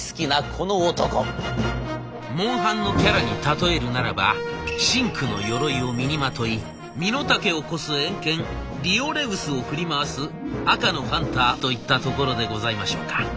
「モンハン」のキャラに例えるならば深紅のよろいを身にまとい身の丈を越す炎剣リオレウスを振り回す赤のハンターといったところでございましょうか。